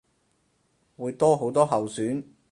會多好多候選